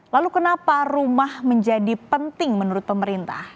lalu kenapa rumah menjadi penting menurut pemerintah